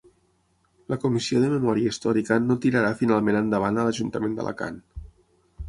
La Comissió de Memòria Històrica no tirarà finalment endavant a l'Ajuntament d'Alacant